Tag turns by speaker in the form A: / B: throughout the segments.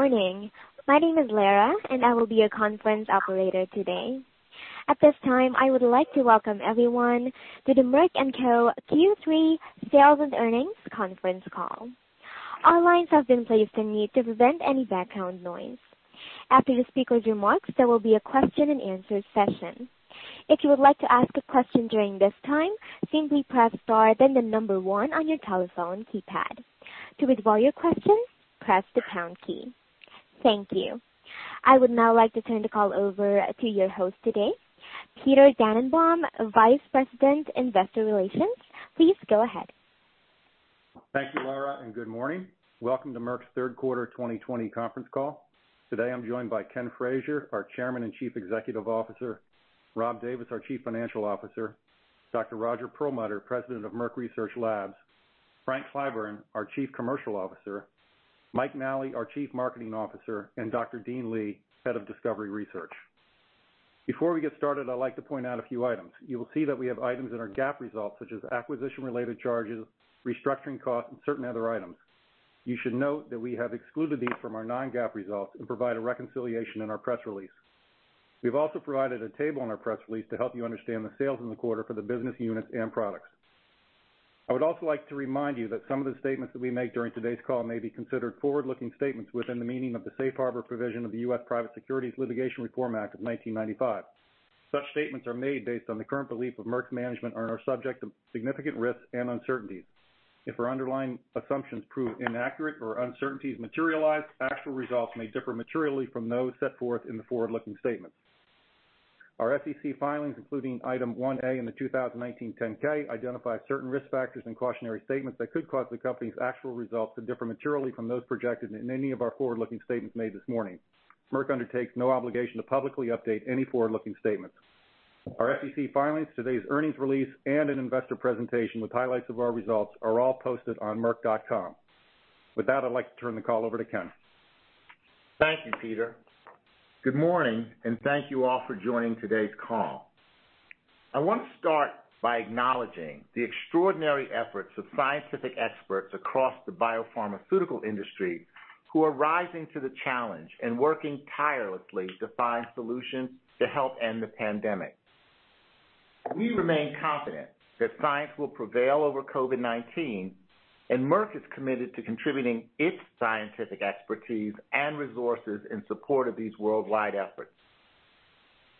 A: Morning. My name is Lara, and I will be your conference operator today. At this time, I would like to welcome everyone to the Merck & Co Q3 Sales and Earnings Conference Call. All lines have been placed on mute to prevent any background noise. After the speaker's remarks, there will be a question and answer session. If you would like to ask a question during this time, simply press star then the number one on your telephone keypad. To withdraw your question, press the pound key. Thank you. I would now like to turn the call over to your host today, Peter Dannenbaum, Vice President, Investor Relations. Please go ahead.
B: Thank you, Lara, and good morning. Welcome to Merck's third quarter 2020 conference call. Today I'm joined by Ken Frazier, our Chairman and Chief Executive Officer, Rob Davis, our Chief Financial Officer, Dr. Roger Perlmutter, President of Merck Research Labs, Frank Clyburn, our Chief Commercial Officer, Mike Nally, our Chief Marketing Officer, and Dr. Dean Li, Head of Discovery Research. Before we get started, I'd like to point out a few items. You will see that we have items in our GAAP results, such as acquisition-related charges, restructuring costs, and certain other items. You should note that we have excluded these from our non-GAAP results and provide a reconciliation in our press release. We've also provided a table in our press release to help you understand the sales in the quarter for the business units and products. I would also like to remind you that some of the statements that we make during today's call may be considered forward-looking statements within the meaning of the Safe Harbor provision of the U.S. Private Securities Litigation Reform Act of 1995. Such statements are made based on the current belief of Merck management and are subject to significant risks and uncertainties. If our underlying assumptions prove inaccurate or uncertainties materialize, actual results may differ materially from those set forth in the forward-looking statements. Our SEC filings, including Item 1A in the 2019 10-K, identify certain risk factors and cautionary statements that could cause the company's actual results to differ materially from those projected in any of our forward-looking statements made this morning. Merck undertakes no obligation to publicly update any forward-looking statements. Our SEC filings, today's earnings release, and an investor presentation with highlights of our results are all posted on merck.com. With that, I'd like to turn the call over to Ken.
C: Thank you, Peter. Good morning, and thank you all for joining today's call. I want to start by acknowledging the extraordinary efforts of scientific experts across the biopharmaceutical industry who are rising to the challenge and working tirelessly to find solutions to help end the pandemic. We remain confident that science will prevail over COVID-19, and Merck is committed to contributing its scientific expertise and resources in support of these worldwide efforts.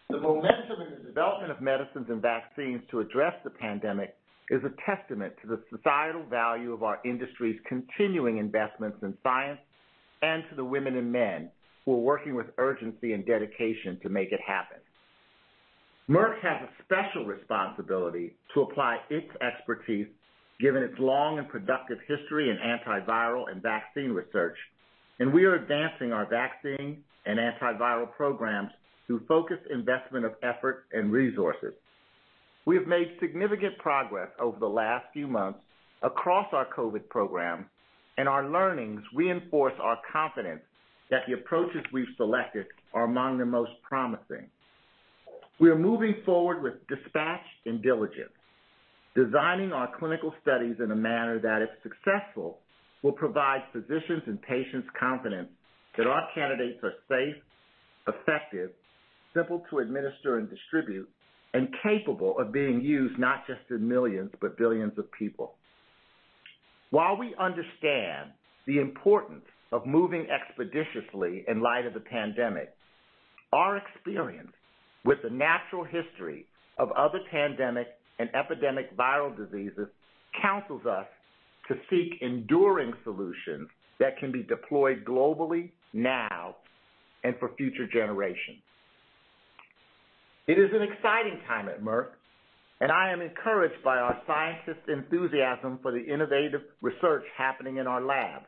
C: The momentum in the development of medicines and vaccines to address the pandemic is a testament to the societal value of our industry's continuing investments in science and to the women and men who are working with urgency and dedication to make it happen. Merck has a special responsibility to apply its expertise, given its long and productive history in antiviral and vaccine research, and we are advancing our vaccine and antiviral programs through focused investment of effort and resources. We have made significant progress over the last few months across our COVID program, and our learnings reinforce our confidence that the approaches we've selected are among the most promising. We are moving forward with dispatch and diligence, designing our clinical studies in a manner that, if successful, will provide physicians and patients confidence that our candidates are safe, effective, simple to administer and distribute, and capable of being used not just in millions, but billions of people. While we understand the importance of moving expeditiously in light of the pandemic, our experience with the natural history of other pandemic and epidemic viral diseases counsels us to seek enduring solutions that can be deployed globally now and for future generations. It is an exciting time at Merck, and I am encouraged by our scientists' enthusiasm for the innovative research happening in our labs,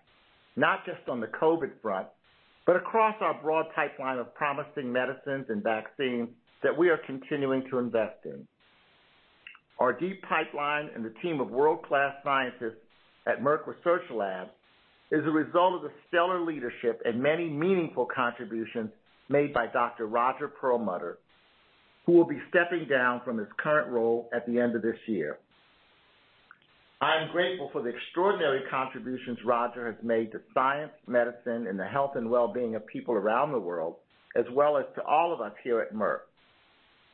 C: not just on the COVID front, but across our broad pipeline of promising medicines and vaccines that we are continuing to invest in. Our deep pipeline and the team of world-class scientists at Merck Research Lab is a result of the stellar leadership and many meaningful contributions made by Dr. Roger Perlmutter, who will be stepping down from his current role at the end of this year. I am grateful for the extraordinary contributions Roger has made to science, medicine, and the health and well-being of people around the world, as well as to all of us here at Merck.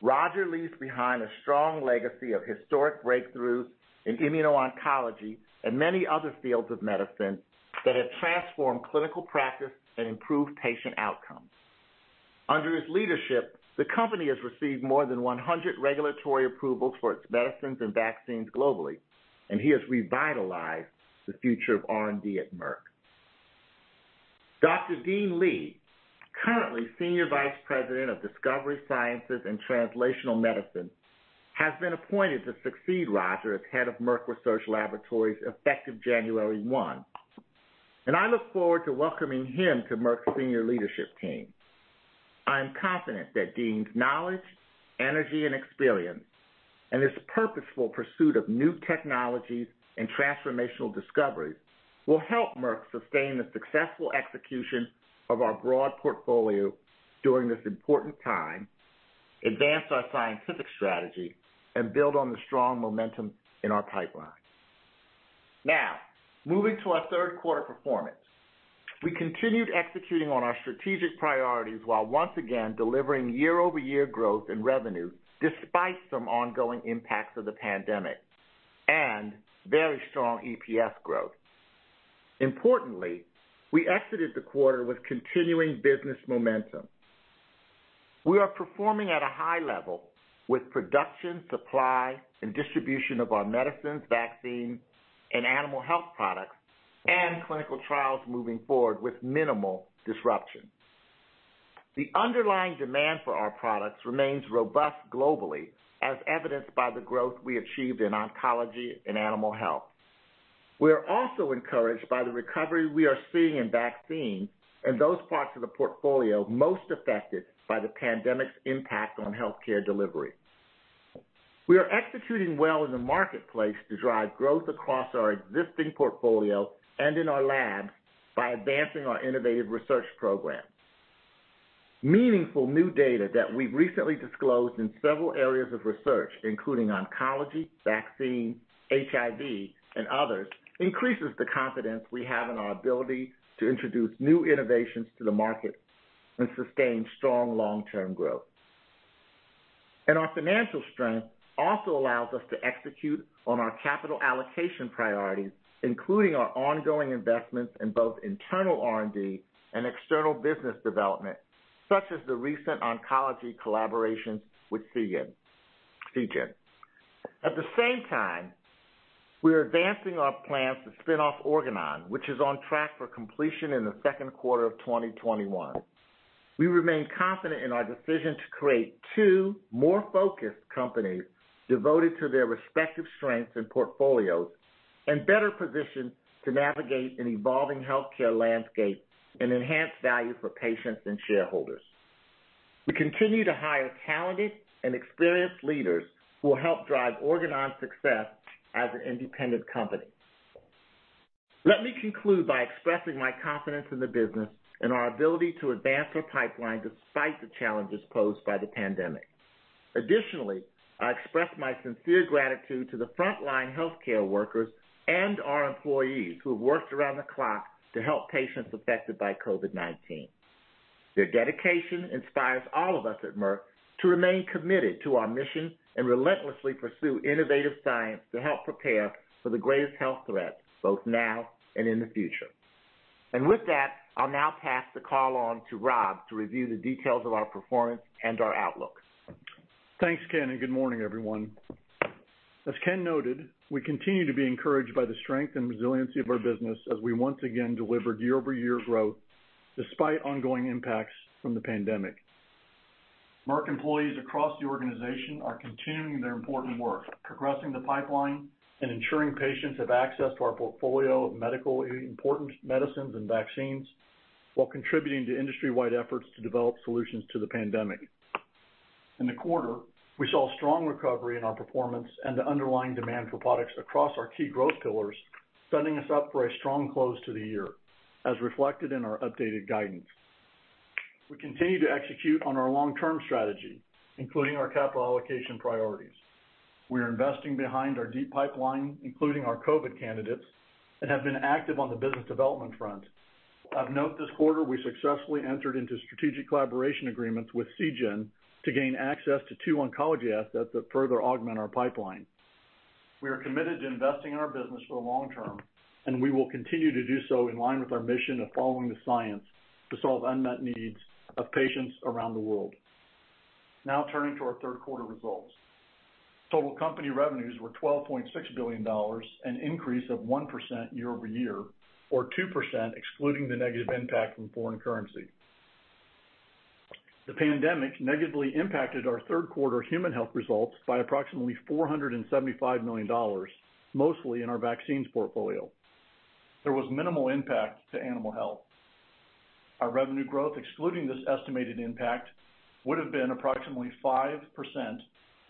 C: Roger leaves behind a strong legacy of historic breakthroughs in immuno-oncology and many other fields of medicine that have transformed clinical practice and improved patient outcomes. Under his leadership, the company has received more than 100 regulatory approvals for its medicines and vaccines globally. He has revitalized the future of R&D at Merck. Dr. Dean Li, currently Senior Vice President of Discovery Sciences and Translational Medicine, has been appointed to succeed Roger as head of Merck Research Laboratories effective January one. I look forward to welcoming him to Merck's senior leadership team. I am confident that Dean's knowledge, energy, and experience, and his purposeful pursuit of new technologies and transformational discoveries, will help Merck sustain the successful execution of our broad portfolio during this important time, advance our scientific strategy, and build on the strong momentum in our pipeline. Moving to our third quarter performance. We continued executing on our strategic priorities while once again delivering year-over-year growth in revenue, despite some ongoing impacts of the pandemic, and very strong EPS growth. Importantly, we exited the quarter with continuing business momentum. We are performing at a high level with production, supply, and distribution of our medicines, vaccines, and animal health products, and clinical trials moving forward with minimal disruption. The underlying demand for our products remains robust globally, as evidenced by the growth we achieved in oncology and animal health. We are also encouraged by the recovery we are seeing in vaccines and those parts of the portfolio most affected by the pandemic's impact on healthcare delivery. We are executing well in the marketplace to drive growth across our existing portfolio and in our labs by advancing our innovative research program. Meaningful new data that we've recently disclosed in several areas of research, including oncology, vaccine, HIV, and others, increases the confidence we have in our ability to introduce new innovations to the market and sustain strong long-term growth. Our financial strength also allows us to execute on our capital allocation priorities, including our ongoing investments in both internal R&D and external business development, such as the recent oncology collaborations with Seagen. At the same time, we are advancing our plans to spin off Organon, which is on track for completion in the second quarter of 2021. We remain confident in our decision to create two more focused companies devoted to their respective strengths and portfolios and better positioned to navigate an evolving healthcare landscape and enhance value for patients and shareholders. We continue to hire talented and experienced leaders who will help drive Organon's success as an independent company. Let me conclude by expressing my confidence in the business and our ability to advance our pipeline despite the challenges posed by the pandemic. Additionally, I express my sincere gratitude to the frontline healthcare workers and our employees who have worked around the clock to help patients affected by COVID-19. Their dedication inspires all of us at Merck to remain committed to our mission and relentlessly pursue innovative science to help prepare for the greatest health threats, both now and in the future. With that, I'll now pass the call on to Rob to review the details of our performance and our outlook.
D: Thanks, Ken, and good morning, everyone. As Ken noted, we continue to be encouraged by the strength and resiliency of our business as we once again delivered year-over-year growth despite ongoing impacts from the pandemic. Merck employees across the organization are continuing their important work, progressing the pipeline and ensuring patients have access to our portfolio of important medicines and vaccines while contributing to industry-wide efforts to develop solutions to the pandemic. In the quarter, we saw strong recovery in our performance and the underlying demand for products across our key growth pillars, setting us up for a strong close to the year, as reflected in our updated guidance. We continue to execute on our long-term strategy, including our capital allocation priorities. We are investing behind our deep pipeline, including our COVID candidates, and have been active on the business development front. Of note this quarter, we successfully entered into strategic collaboration agreements with Seagen to gain access to two oncology assets that further augment our pipeline. We are committed to investing in our business for the long term, and we will continue to do so in line with our mission of following the science to solve unmet needs of patients around the world. Now turning to our third quarter results. Total company revenues were $12.6 billion, an increase of 1% year-over-year, or 2% excluding the negative impact from foreign currency. The pandemic negatively impacted our third quarter human health results by approximately $475 million, mostly in our vaccines portfolio. There was minimal impact to animal health. Our revenue growth, excluding this estimated impact, would have been approximately 5%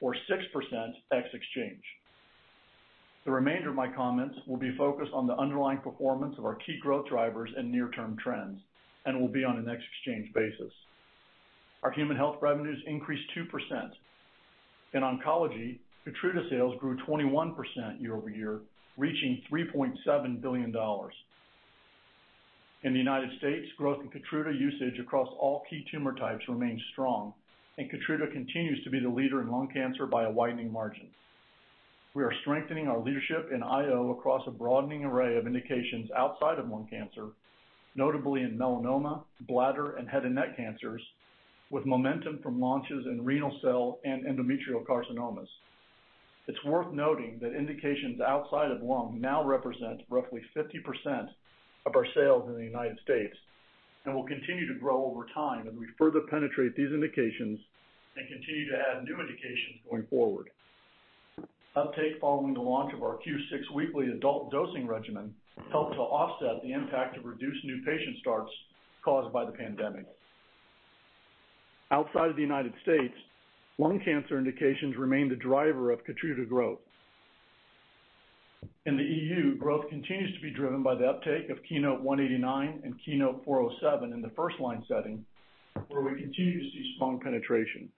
D: or 6% ex exchange. The remainder of my comments will be focused on the underlying performance of our key growth drivers and near-term trends and will be on a ex-exchange basis. Our human health revenues increased 2%. In oncology, KEYTRUDA sales grew 21% year-over-year, reaching $3.7 billion. In the United States, growth in KEYTRUDA usage across all key tumor types remains strong, and KEYTRUDA continues to be the leader in lung cancer by a widening margin. We are strengthening our leadership in IO across a broadening array of indications outside of lung cancer, notably in melanoma, bladder, and head and neck cancers, with momentum from launches in renal cell and endometrial carcinomas. It's worth noting that indications outside of lung now represent roughly 50% of our sales in the United States and will continue to grow over time as we further penetrate these indications and continue to add new indications going forward. Uptake following the launch of our Q6 weekly adult dosing regimen helped to offset the impact of reduced new patient starts caused by the pandemic. Outside of the United States, lung cancer indications remain the driver of KEYTRUDA growth. In the EU, growth continues to be driven by the uptake of KEYNOTE-189 and KEYNOTE-407 in the first-line setting, where we continue to see strong penetration.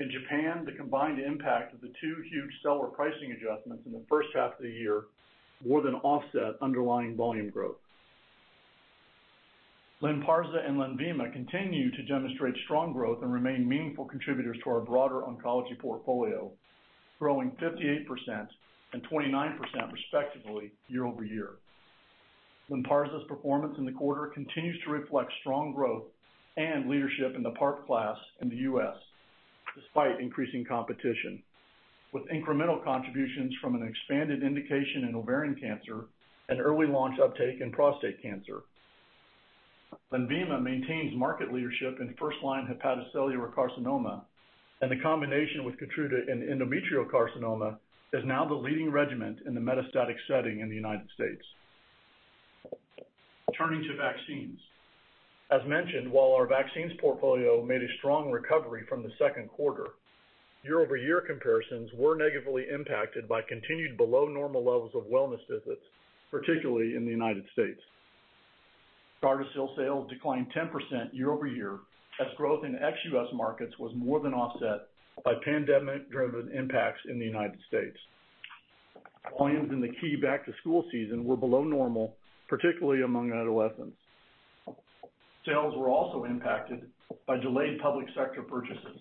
D: In Japan, the combined impact of the two huge seller pricing adjustments in the first half of the year more than offset underlying volume growth. LYNPARZA and LENVIMA continue to demonstrate strong growth and remain meaningful contributors to our broader oncology portfolio, growing 58% and 29% respectively year-over-year. LYNPARZA's performance in the quarter continues to reflect strong growth and leadership in the PARP class in the U.S., despite increasing competition, with incremental contributions from an expanded indication in ovarian cancer and early launch uptake in prostate cancer. LENVIMA maintains market leadership in first-line hepatocellular carcinoma, and the combination with KEYTRUDA in endometrial carcinoma is now the leading regimen in the metastatic setting in the United States. Turning to vaccines. As mentioned, while our vaccines portfolio made a strong recovery from the second quarter, year-over-year comparisons were negatively impacted by continued below normal levels of wellness visits, particularly in the United States. GARDASIL sales declined 10% year over year as growth in ex-U.S. markets was more than offset by pandemic-driven impacts in the United States. Volumes in the key back-to-school season were below normal, particularly among adolescents. Sales were also impacted by delayed public sector purchases.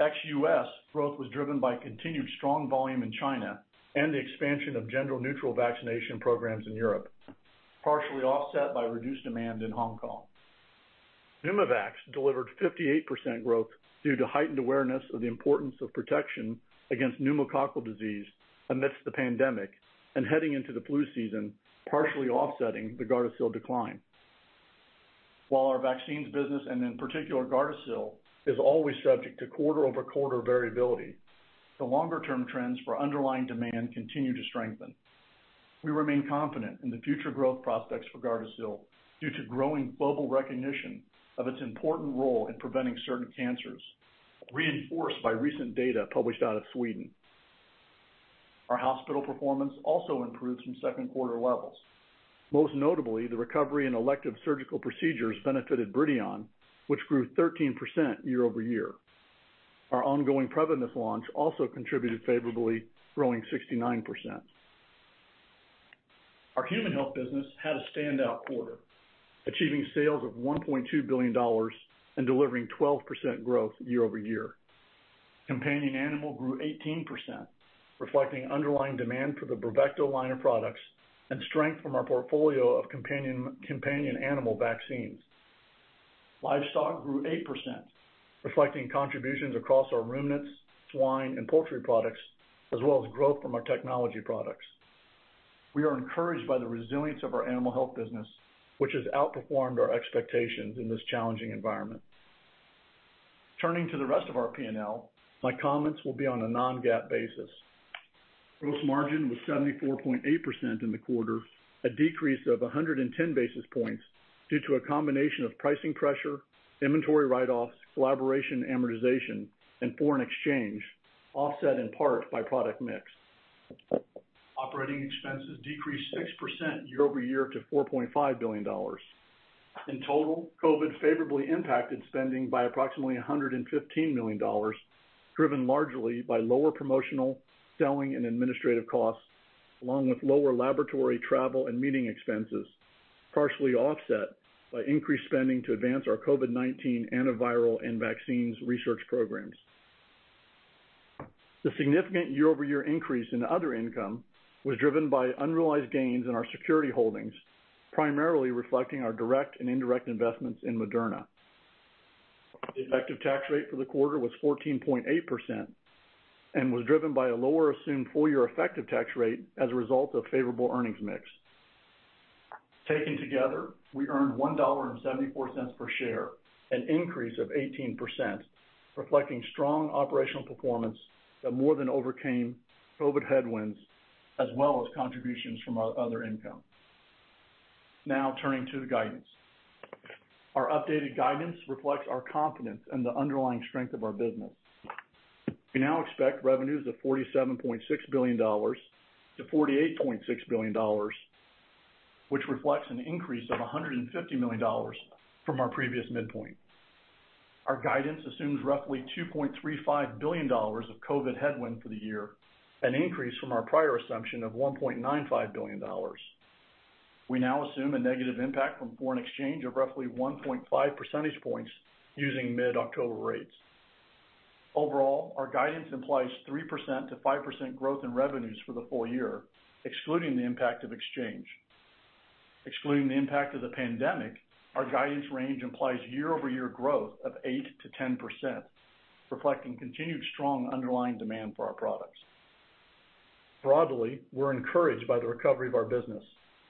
D: Ex-U.S. growth was driven by continued strong volume in China and the expansion of gender-neutral vaccination programs in Europe, partially offset by reduced demand in Hong Kong. PNEUMOVAX delivered 58% growth due to heightened awareness of the importance of protection against pneumococcal disease amidst the pandemic and heading into the flu season, partially offsetting the GARDASIL decline. While our vaccines business, and in particular GARDASIL, is always subject to quarter-over-quarter variability, the longer-term trends for underlying demand continue to strengthen. We remain confident in the future growth prospects for GARDASIL due to growing global recognition of its important role in preventing certain cancers, reinforced by recent data published out of Sweden. Our hospital performance also improved from second quarter levels. Most notably, the recovery in elective surgical procedures benefited BRIDION, which grew 13% year-over-year. Our ongoing PREVYMIS launch also contributed favorably, growing 69%. Our Human Health business had a standout quarter, achieving sales of $1.2 billion and delivering 12% growth year-over-year. Companion Animal grew 18%, reflecting underlying demand for the BRAVECTO line of products and strength from our portfolio of companion animal vaccines. Livestock grew 8%, reflecting contributions across our ruminants, swine, and poultry products, as well as growth from our technology products. We are encouraged by the resilience of our Animal Health business, which has outperformed our expectations in this challenging environment. Turning to the rest of our P&L, my comments will be on a non-GAAP basis. Gross margin was 74.8% in the quarter, a decrease of 110 basis points due to a combination of pricing pressure, inventory write-offs, collaboration amortization, and foreign exchange, offset in part by product mix. Operating expenses decreased 6% year-over-year to $4.5 billion. In total, COVID favorably impacted spending by approximately $115 million, driven largely by lower promotional, selling, and administrative costs, along with lower laboratory travel and meeting expenses, partially offset by increased spending to advance our COVID-19 antiviral and vaccines research programs. The significant year-over-year increase in other income was driven by unrealized gains in our security holdings, primarily reflecting our direct and indirect investments in Moderna. The effective tax rate for the quarter was 14.8% and was driven by a lower assumed full year effective tax rate as a result of favorable earnings mix. Taken together, we earned $1.74 per share, an increase of 18%, reflecting strong operational performance that more than overcame COVID headwinds, as well as contributions from our other income. Turning to the guidance. Our updated guidance reflects our confidence in the underlying strength of our business. We now expect revenues of $47.6 billion-$48.6 billion, which reflects an increase of $150 million from our previous midpoint. Our guidance assumes roughly $2.35 billion of COVID headwind for the year, an increase from our prior assumption of $1.95 billion. We now assume a negative impact from foreign exchange of roughly 1.5 percentage points using mid-October rates. Overall, our guidance implies 3%-5% growth in revenues for the full year, excluding the impact of exchange. Excluding the impact of the pandemic, our guidance range implies year-over-year growth of 8%-10%, reflecting continued strong underlying demand for our products. Broadly, we're encouraged by the recovery of our business,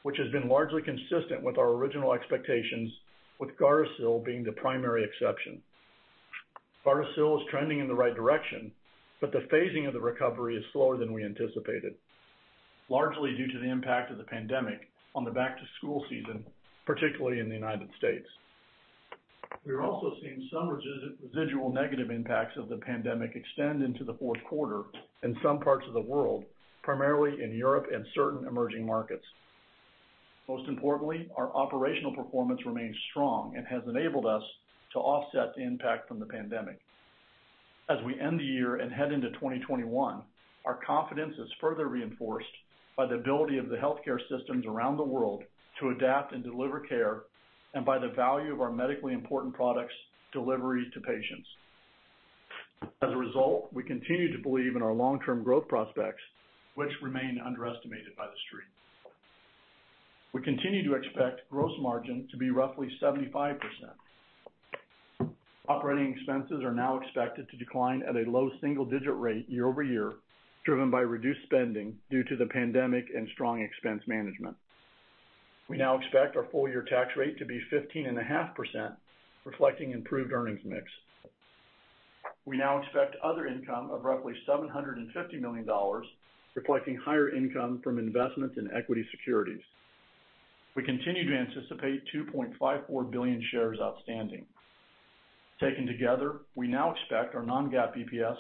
D: which has been largely consistent with our original expectations, with GARDASIL being the primary exception. GARDASIL is trending in the right direction, but the phasing of the recovery is slower than we anticipated, largely due to the impact of the pandemic on the back-to-school season, particularly in the United States. We are also seeing some residual negative impacts of the pandemic extend into the fourth quarter in some parts of the world, primarily in Europe and certain emerging markets. Most importantly, our operational performance remains strong and has enabled us to offset the impact from the pandemic. As we end the year and head into 2021, our confidence is further reinforced by the ability of the healthcare systems around the world to adapt and deliver care, and by the value of our medically important products' delivery to patients. As a result, we continue to believe in our long-term growth prospects, which remain underestimated by the street. We continue to expect gross margin to be roughly 75%. Operating expenses are now expected to decline at a low single-digit rate year-over-year, driven by reduced spending due to the pandemic and strong expense management. We now expect our full-year tax rate to be 15.5%, reflecting improved earnings mix. We now expect other income of roughly $750 million, reflecting higher income from investments in equity securities. We continue to anticipate 2.54 billion shares outstanding. Taken together, we now expect our non-GAAP EPS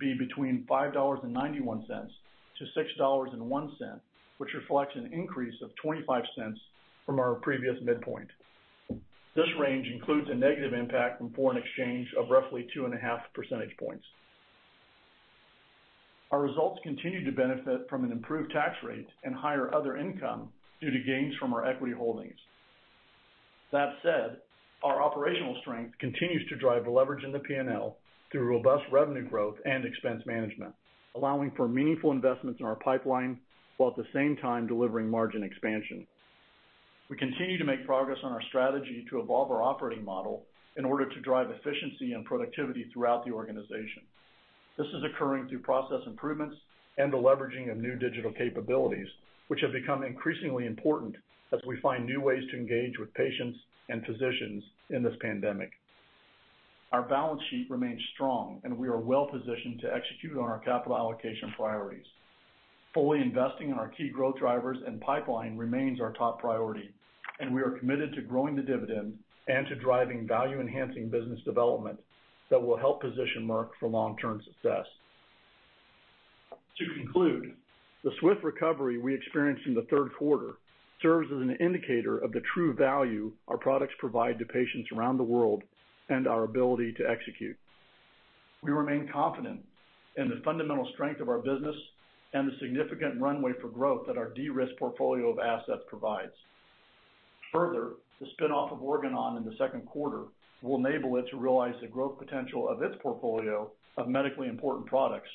D: be between $5.91-$6.01, which reflects an increase of $0.25 from our previous midpoint. This range includes a negative impact from foreign exchange of roughly 2.5 Percentage points. Our results continue to benefit from an improved tax rate and higher other income due to gains from our equity holdings. That said, our operational strength continues to drive leverage in the P&L through robust revenue growth and expense management, allowing for meaningful investments in our pipeline, while at the same time delivering margin expansion. We continue to make progress on our strategy to evolve our operating model in order to drive efficiency and productivity throughout the organization. This is occurring through process improvements and the leveraging of new digital capabilities, which have become increasingly important as we find new ways to engage with patients and physicians in this pandemic. Our balance sheet remains strong. We are well-positioned to execute on our capital allocation priorities. Fully investing in our key growth drivers and pipeline remains our top priority. We are committed to growing the dividend and to driving value-enhancing business development that will help position Merck for long-term success. To conclude, the swift recovery we experienced in the third quarter serves as an indicator of the true value our products provide to patients around the world and our ability to execute. We remain confident in the fundamental strength of our business and the significant runway for growth that our de-risked portfolio of assets provides. Further, the spin-off of Organon in the second quarter will enable it to realize the growth potential of its portfolio of medically important products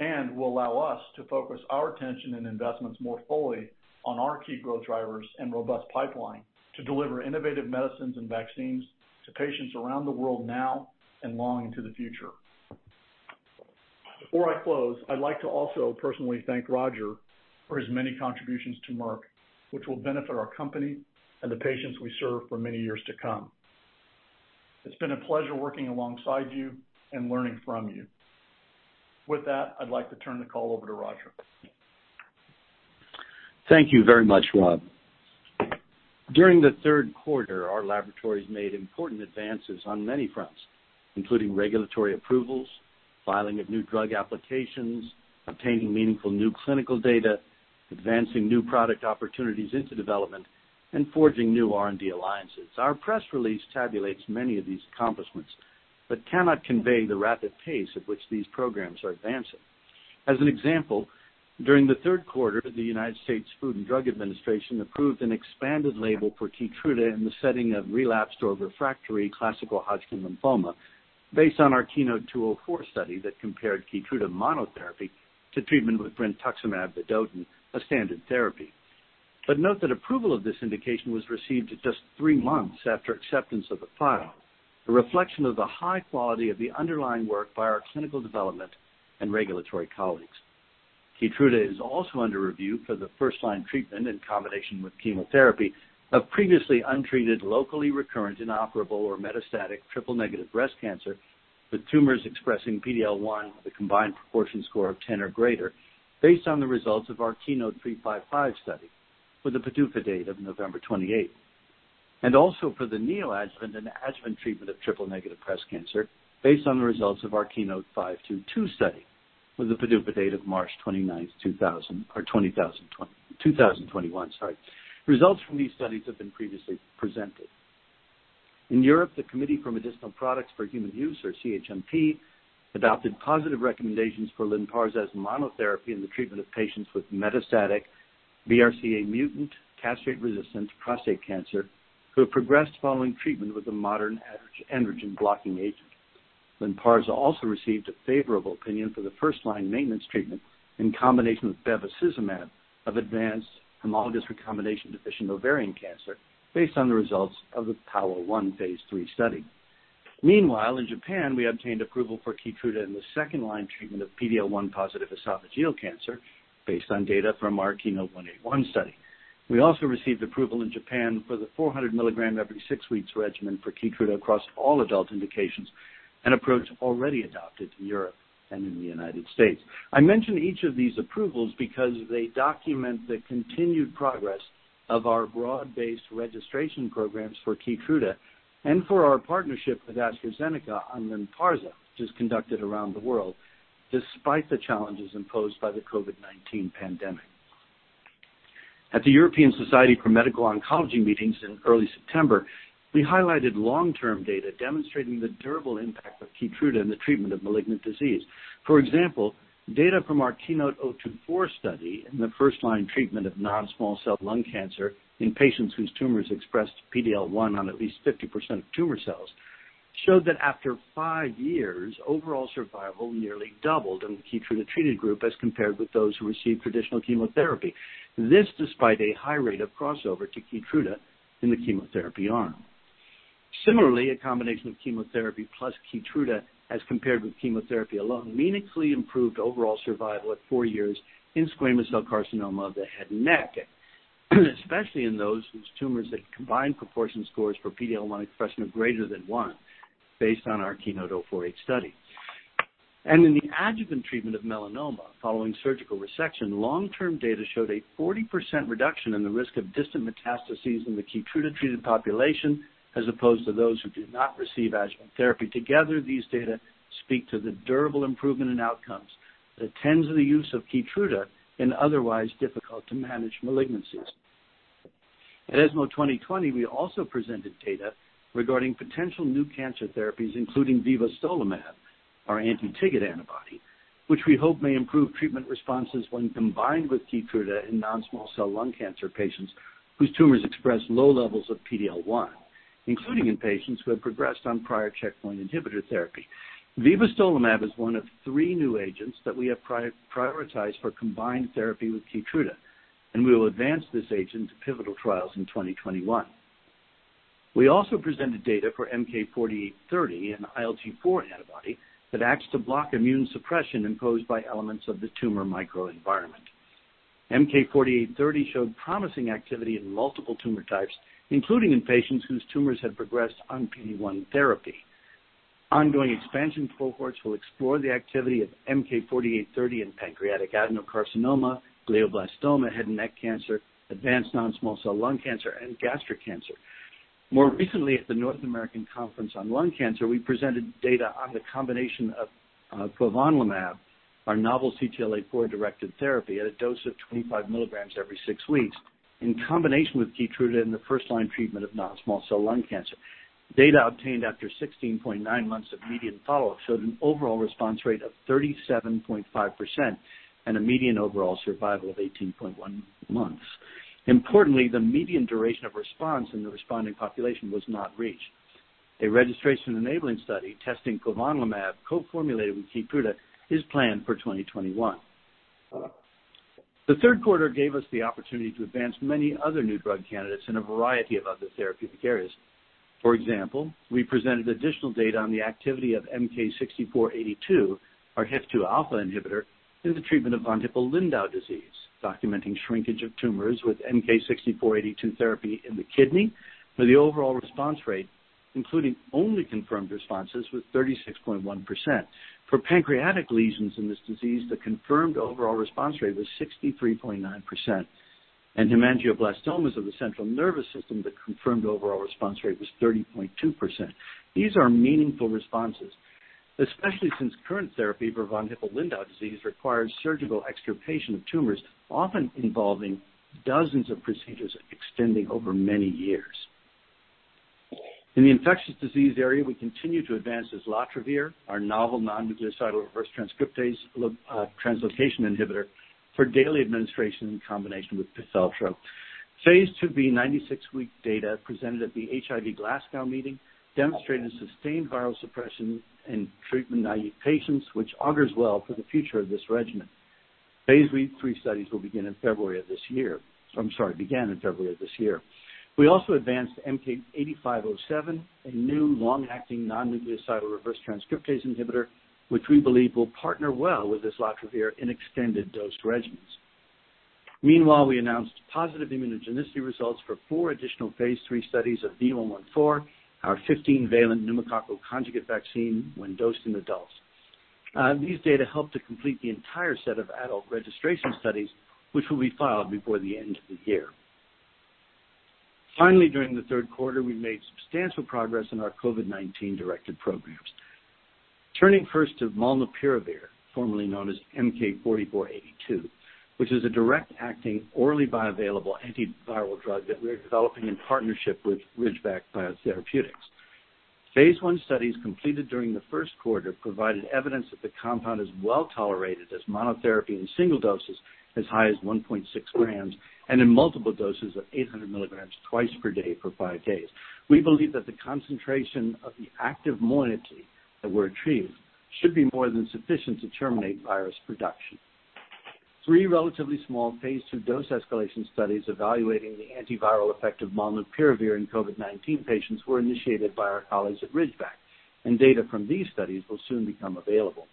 D: and will allow us to focus our attention and investments more fully on our key growth drivers and robust pipeline to deliver innovative medicines and vaccines to patients around the world now and long into the future. Before I close, I'd like to also personally thank Roger for his many contributions to Merck, which will benefit our company and the patients we serve for many years to come. It's been a pleasure working alongside you and learning from you. With that, I'd like to turn the call over to Roger.
E: Thank you very much, Rob. During the third quarter, our laboratories made important advances on many fronts, including regulatory approvals, filing of new drug applications, obtaining meaningful new clinical data, advancing new product opportunities into development, and forging new R&D alliances. Our press release tabulates many of these accomplishments, cannot convey the rapid pace at which these programs are advancing. As an example, during the third quarter, the United States Food and Drug Administration approved an expanded label for KEYTRUDA in the setting of relapsed or refractory classical Hodgkin lymphoma based on our KEYNOTE-204 study that compared KEYTRUDA monotherapy to treatment with brentuximab vedotin, a standard therapy. Note that approval of this indication was received just three months after acceptance of the file, a reflection of the high quality of the underlying work by our clinical development and regulatory colleagues. KEYTRUDA is also under review for the first-line treatment in combination with chemotherapy of previously untreated locally recurrent inoperable or metastatic triple-negative breast cancer with tumors expressing PD-L1 with a combined proportion score of 10 or greater based on the results of our KEYNOTE-355 study with a PDUFA date of November 28th, and also for the neoadjuvant and adjuvant treatment of triple-negative breast cancer based on the results of our KEYNOTE-522 study with a PDUFA date of March 29th, 2021. Results from these studies have been previously presented. In Europe, the Committee for Medicinal Products for Human Use, or CHMP, adopted positive recommendations for LYNPARZA as monotherapy in the treatment of patients with metastatic BRCA-mutant, castrate-resistant prostate cancer who have progressed following treatment with a modern androgen blocking agent. LYNPARZA also received a favorable opinion for the first-line maintenance treatment in combination with bevacizumab of advanced homologous recombination-deficient ovarian cancer based on the results of the PAOLA-1 phase III study. Meanwhile, in Japan, we obtained approval for KEYTRUDA in the second-line treatment of PD-L1 positive esophageal cancer based on data from our KEYNOTE-181 study. We also received approval in Japan for the 400-milligram every six weeks regimen for KEYTRUDA across all adult indications, an approach already adopted in Europe and in the U.S. I mention each of these approvals because they document the continued progress of our broad-based registration programs for KEYTRUDA and for our partnership with AstraZeneca on LYNPARZA, which is conducted around the world, despite the challenges imposed by the COVID-19 pandemic. At the European Society for Medical Oncology meetings in early September, we highlighted long-term data demonstrating the durable impact of KEYTRUDA in the treatment of malignant disease. For example, data from our KEYNOTE-024 study in the first-line treatment of non-small cell lung cancer in patients whose tumors expressed PD-L1 on at least 50% of tumor cells, showed that after five years, overall survival nearly doubled in the KEYTRUDA treated group as compared with those who received traditional chemotherapy. This despite a high rate of crossover to KEYTRUDA in the chemotherapy arm. Similarly, a combination of chemotherapy plus KEYTRUDA as compared with chemotherapy alone, meaningfully improved overall survival at four years in squamous cell carcinoma of the head and neck, especially in those whose tumors had combined proportion scores for PD-L1 expression of greater than one, based on our KEYNOTE-048 study. In the adjuvant treatment of melanoma following surgical resection, long-term data showed a 40% reduction in the risk of distant metastases in the KEYTRUDA treated population, as opposed to those who did not receive adjuvant therapy. Together, these data speak to the durable improvement in outcomes that attends with the use of KEYTRUDA in otherwise difficult to manage malignancies. At ESMO 2020, we also presented data regarding potential new cancer therapies, including vibostolimab, our anti-TIGIT antibody, which we hope may improve treatment responses when combined with KEYTRUDA in non-small cell lung cancer patients whose tumors express low levels of PD-L1, including in patients who have progressed on prior checkpoint inhibitor therapy. Vibostolimab is one of three new agents that we have prioritized for combined therapy with KEYTRUDA, and we will advance this agent to pivotal trials in 2021. We also presented data for MK-4830, an ILT4 antibody that acts to block immune suppression imposed by elements of the tumor microenvironment. MK-4830 showed promising activity in multiple tumor types, including in patients whose tumors had progressed on PD-1 therapy. Ongoing expansion cohorts will explore the activity of MK-4830 in pancreatic adenocarcinoma, glioblastoma, head and neck cancer, advanced non-small cell lung cancer, and gastric cancer. More recently, at the North America Conference on Lung Cancer, we presented data on the combination of quavonlimab, our novel CTLA-4 directed therapy at a dose of 25 milligrams every six weeks, in combination with KEYTRUDA in the first-line treatment of non-small cell lung cancer. Data obtained after 16.9 months of median follow-up showed an overall response rate of 37.5% and a median overall survival of 18.1 months. Importantly, the median duration of response in the responding population was not reached. A registration enabling study testing quavonlimab co-formulated with KEYTRUDA is planned for 2021. The third quarter gave us the opportunity to advance many other new drug candidates in a variety of other therapeutic areas. For example, we presented additional data on the activity of MK-6482, our HIF-2α inhibitor, in the treatment of von Hippel-Lindau disease, documenting shrinkage of tumors with MK-6482 therapy in the kidney. For the overall response rate, including only confirmed responses, was 36.1%. For pancreatic lesions in this disease, the confirmed overall response rate was 63.9%. In hemangioblastomas of the central nervous system, the confirmed overall response rate was 30.2%. These are meaningful responses, especially since current therapy for von Hippel-Lindau disease requires surgical extirpation of tumors, often involving dozens of procedures extending over many years. In the infectious disease area, we continue to advance islatravir, our novel non-nucleoside reverse transcriptase translocation inhibitor for daily administration in combination with PIFELTRO. Phase II-B 96-week data presented at the HIV Glasgow meeting demonstrated sustained viral suppression in treatment-naive patients, which augurs well for the future of this regimen. Phase III studies will begin in February of this year. I'm sorry, began in February of this year. We also advanced MK-8507, a new long-acting non-nucleoside reverse transcriptase inhibitor, which we believe will partner well with islatravir in extended dose regimens. Meanwhile, we announced positive immunogenicity results for four additional phase III studies of V114, our 15-valent pneumococcal conjugate vaccine when dosed in adults. These data help to complete the entire set of adult registration studies, which will be filed before the end of the year. Finally, during the third quarter, we made substantial progress in our COVID-19 directed programs. Turning first to molnupiravir, formerly known as MK-4482, which is a direct-acting, orally bioavailable antiviral drug that we're developing in partnership with Ridgeback Biotherapeutics. phase I studies completed during the first quarter provided evidence that the compound is well-tolerated as monotherapy in single doses as high as 1.6 grams and in multiple doses of 800 milligrams twice per day for five days. We believe that the concentration of the active moiety that we're achieving should be more than sufficient to terminate virus production. Three relatively small phase II dose escalation studies evaluating the antiviral effect of molnupiravir in COVID-19 patients were initiated by our colleagues at Ridgeback, and data from these studies will soon become available.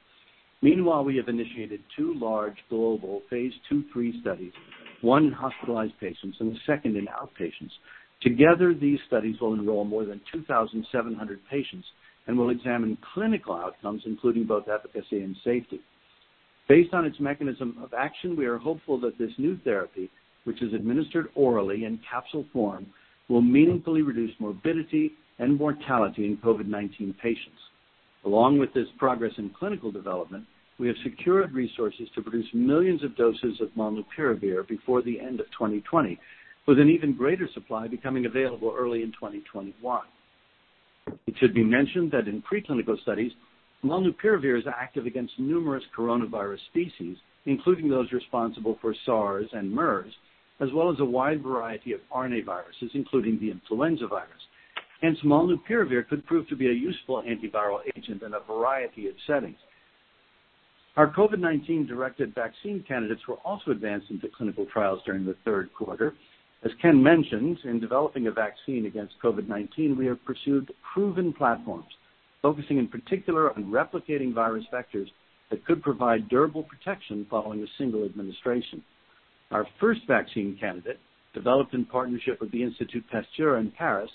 E: Meanwhile, we have initiated two large global phase II-III studies, one in hospitalized patients and the second in outpatients. Together, these studies will enroll more than 2,700 patients and will examine clinical outcomes, including both efficacy and safety. Based on its mechanism of action, we are hopeful that this new therapy, which is administered orally in capsule form, will meaningfully reduce morbidity and mortality in COVID-19 patients. Along with this progress in clinical development, we have secured resources to produce millions of doses of molnupiravir before the end of 2020, with an even greater supply becoming available early in 2021. It should be mentioned that in preclinical studies, molnupiravir is active against numerous coronavirus species, including those responsible for SARS and MERS, as well as a wide variety of RNA viruses, including the influenza virus. Hence, molnupiravir could prove to be a useful antiviral agent in a variety of settings. Our COVID-19-directed vaccine candidates were also advanced into clinical trials during the third quarter. As Ken mentioned, in developing a vaccine against COVID-19, we have pursued proven platforms, focusing in particular on replicating virus vectors that could provide durable protection following a single administration. Our first vaccine candidate, developed in partnership with the Institut Pasteur in Paris,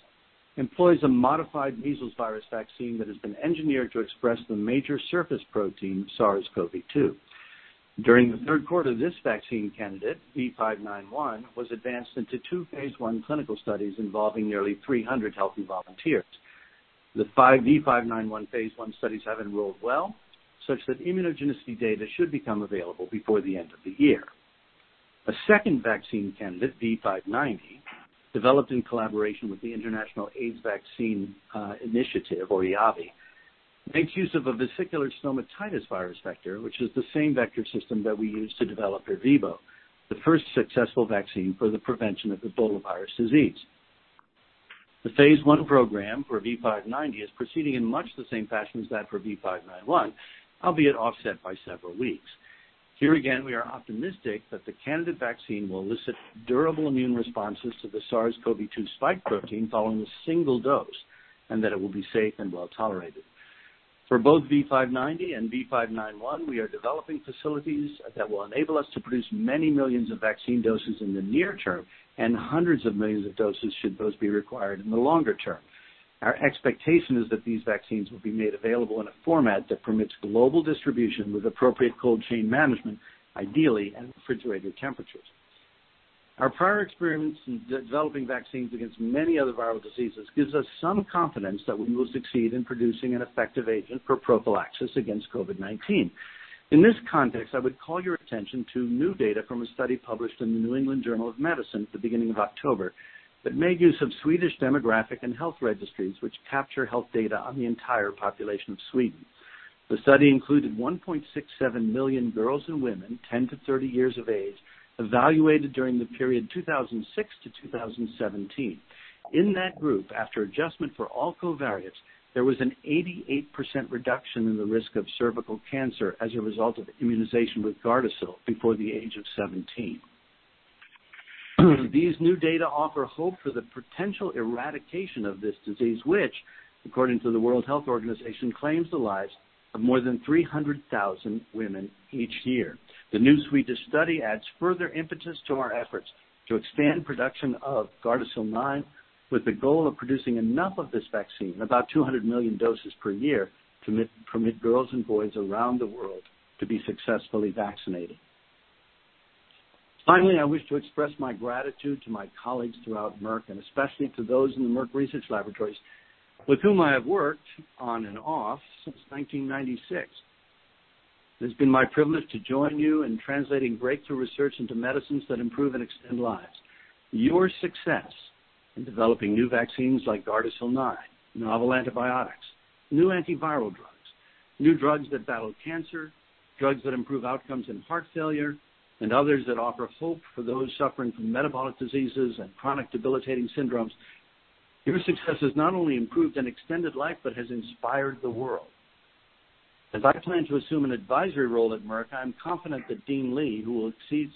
E: employs a modified measles virus vaccine that has been engineered to express the major surface protein SARS-CoV-2. During the third quarter, this vaccine candidate, V591, was advanced into two phase I clinical studies involving nearly 300 healthy volunteers. The V591 phase I studies have enrolled well, such that immunogenicity data should become available before the end of the year. A second vaccine candidate, V590, developed in collaboration with the International AIDS Vaccine Initiative, or IAVI, makes use of a vesicular stomatitis virus vector, which is the same vector system that we used to develop ERVEBO, the first successful vaccine for the prevention of Ebola virus disease. The phase I program for V590 is proceeding in much the same fashion as that for V591, albeit offset by several weeks. Here again, we are optimistic that the candidate vaccine will elicit durable immune responses to the SARS-CoV-2 spike protein following a single dose, and that it will be safe and well-tolerated. For both V590 and V591, we are developing facilities that will enable us to produce many millions of vaccine doses in the near term, and hundreds of millions of doses should those be required in the longer term. Our expectation is that these vaccines will be made available in a format that permits global distribution with appropriate cold chain management, ideally at refrigerated temperatures. Our prior experience in developing vaccines against many other viral diseases gives us some confidence that we will succeed in producing an effective agent for prophylaxis against COVID-19. In this context, I would call your attention to new data from a study published in the New England Journal of Medicine at the beginning of October that made use of Swedish demographic and health registries, which capture health data on the entire population of Sweden. The study included 1.67 million girls and women 10-30 years of age, evaluated during the period 2006-2017. In that group, after adjustment for all covariates, there was an 88% reduction in the risk of cervical cancer as a result of immunization with GARDASIL before the age of 17. These new data offer hope for the potential eradication of this disease, which, according to the World Health Organization, claims the lives of more than 300,000 women each year. The new Swedish study adds further impetus to our efforts to expand production of GARDASIL 9, with the goal of producing enough of this vaccine, about 200 million doses per year, to permit girls and boys around the world to be successfully vaccinated. Finally, I wish to express my gratitude to my colleagues throughout Merck, and especially to those in the Merck Research Laboratories, with whom I have worked on and off since 1996. It has been my privilege to join you in translating breakthrough research into medicines that improve and extend lives. Your success in developing new vaccines like GARDASIL 9, novel antibiotics, new antiviral drugs, new drugs that battle cancer, drugs that improve outcomes in heart failure, and others that offer hope for those suffering from metabolic diseases and chronic debilitating syndromes. Your success has not only improved and extended life, but has inspired the world. As I plan to assume an advisory role at Merck, I am confident that Dean Li, who will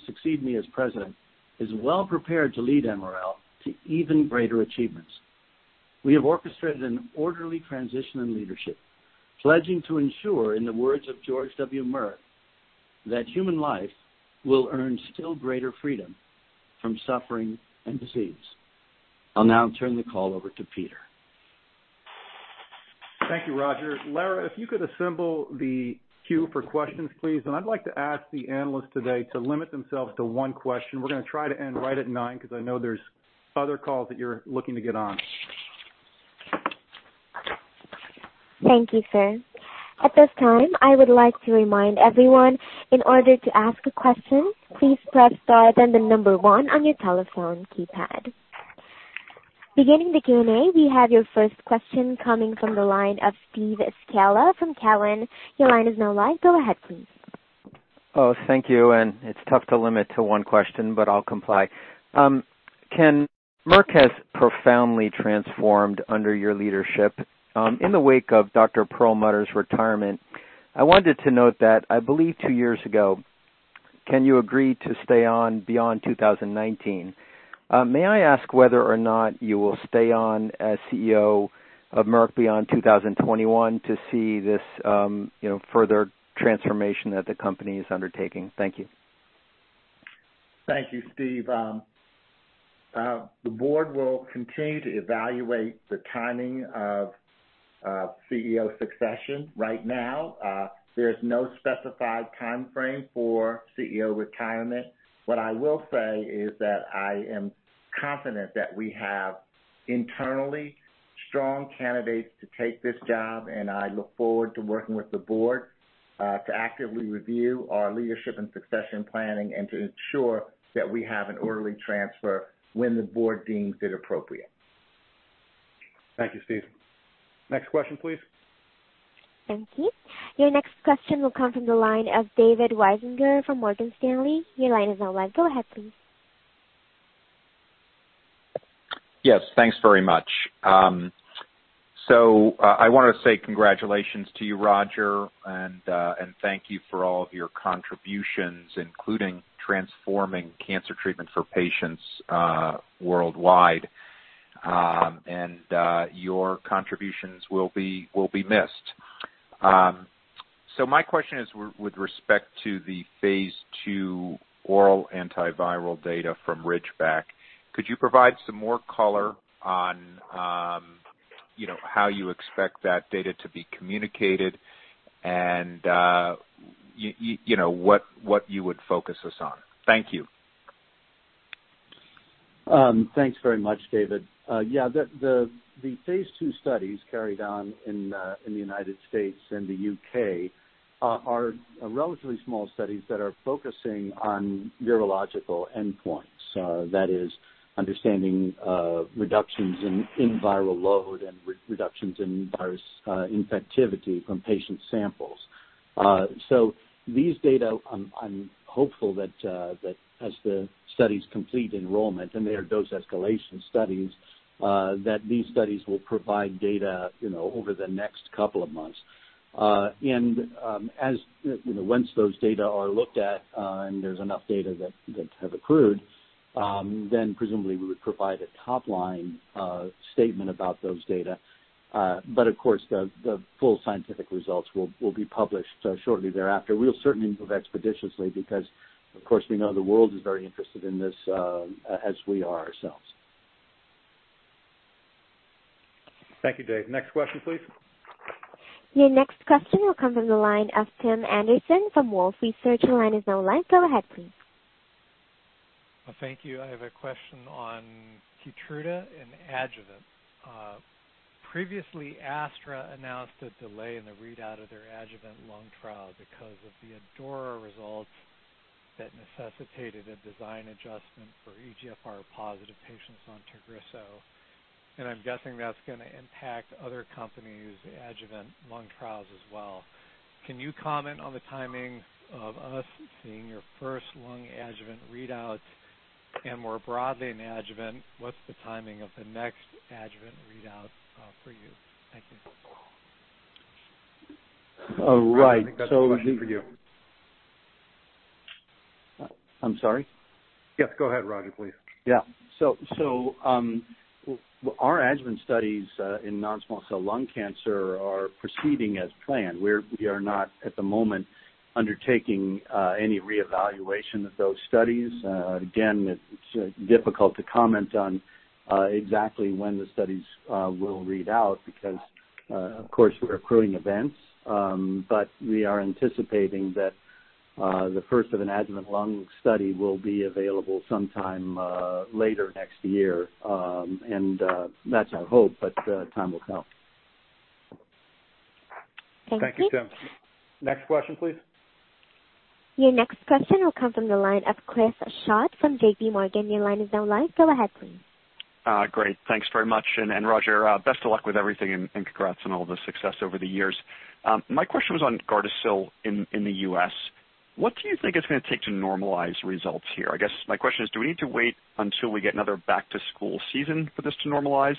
E: succeed me as president, is well-prepared to lead MRL to even greater achievements. We have orchestrated an orderly transition in leadership, pledging to ensure, in the words of George W. Merck, that human life will earn still greater freedom from suffering and disease. I'll now turn the call over to Peter.
B: Thank you, Roger. Lara, if you could assemble the queue for questions, please, and I'd like to ask the analysts today to limit themselves to one question. We're going to try to end right at 9:00 A.M., because I know there's other calls that you're looking to get on.
A: Thank you, sir. At this time, I would like to remind everyone, in order to ask a question, please press star then the number 1 on your telephone keypad. Beginning the Q&A, we have your first question coming from the line of Steve Scala from Cowen. Your line is now live. Go ahead, please.
F: Oh, thank you, it's tough to limit to one question, I'll comply. Ken, Merck has profoundly transformed under your leadership. In the wake of Dr. Perlmutter's retirement, I wanted to note that I believe two years ago, Ken, you agreed to stay on beyond 2019. May I ask whether or not you will stay on as CEO of Merck beyond 2021 to see this further transformation that the company is undertaking? Thank you.
C: Thank you, Steve. The board will continue to evaluate the timing of CEO succession. Right now, there's no specified timeframe for CEO retirement. What I will say is that I am confident that we have internally strong candidates to take this job, and I look forward to working with the board to actively review our leadership and succession planning and to ensure that we have an orderly transfer when the board deems it appropriate.
B: Thank you, Steve. Next question, please.
A: Thank you. Your next question will come from the line of David Risinger from Morgan Stanley. Your line is now live. Go ahead, please.
G: Yes, thanks very much. I wanted to say congratulations to you, Roger, and thank you for all of your contributions, including transforming cancer treatment for patients worldwide. Your contributions will be missed. My question is with respect to the phase II oral antiviral data from Ridgeback. Could you provide some more color on how you expect that data to be communicated and what you would focus us on? Thank you.
E: Thanks very much, David. Yeah. The phase II studies carried on in the U.S. and the U.K. are relatively small studies that are focusing on neurological endpoints, that is understanding reductions in viral load and reductions in virus infectivity from patient samples. These data, I'm hopeful that as the studies complete enrollment, and they are dose escalation studies, that these studies will provide data over the next couple of months. Once those data are looked at and there's enough data that have accrued, then presumably we would provide a top-line statement about those data. Of course, the full scientific results will be published shortly thereafter. We'll certainly move expeditiously because, of course, we know the world is very interested in this as we are ourselves.
B: Thank you, Dave. Next question, please.
A: Your next question will come from the line of Tim Anderson from Wolfe Research. Your line is now live. Go ahead, please.
H: Thank you. I have a question on KEYTRUDA and Adjuvant. Previously, Astra announced a delay in the readout of their Adjuvant lung trial because of the ADAURA results that necessitated a design adjustment for EGFR-positive patients on TAGRISSO, and I'm guessing that's going to impact other companies' Adjuvant lung trials as well. Can you comment on the timing of us seeing your first lung Adjuvant readout, and more broadly in Adjuvant, what's the timing of the next Adjuvant readout for you? Thank you.
E: Right.
B: I think that's a question for you.
E: I'm sorry?
B: Yes, go ahead, Roger, please.
E: Our adjuvant studies in non-small cell lung cancer are proceeding as planned. We are not, at the moment, undertaking any reevaluation of those studies. It's difficult to comment on exactly when the studies will read out because, of course, we're accruing events. We are anticipating that the first of an adjuvant lung study will be available sometime later next year. That's our hope, but time will tell.
A: Thank you.
B: Thank you, Tim. Next question, please.
A: Your next question will come from the line of Chris Schott from JPMorgan.
I: Great. Thanks very much. Roger, best of luck with everything and congrats on all the success over the years. My question was on GARDASIL in the U.S. What do you think it's going to take to normalize results here? I guess my question is, do we need to wait until we get another back-to-school season for this to normalize,